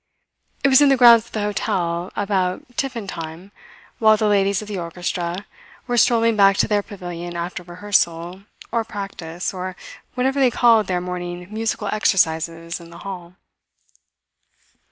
It was in the grounds of the hotel, about tiffin time, while the Ladies of the orchestra were strolling back to their pavilion after rehearsal, or practice, or whatever they called their morning musical exercises in the hall.